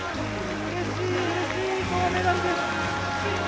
うれしいうれしい銅メダルです！